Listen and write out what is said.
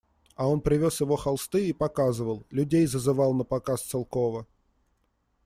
А он привез его холсты и показывал, людей зазывал на показ Целкова.